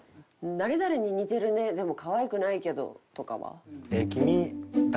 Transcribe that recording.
「誰々に似てるねでもかわいくないけど」とかは？